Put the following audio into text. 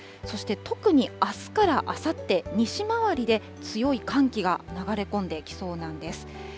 そして特にあすからあさって、西回りで強い寒気が流れ込んできそうなんです。